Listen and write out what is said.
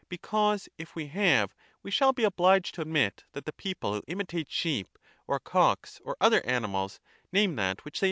Because if we have we shall be obliged to admit that the people who imitate sheep, or cocks, or other animals, name that which they imitate.